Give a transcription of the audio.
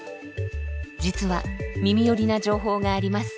実は耳寄りな情報があります。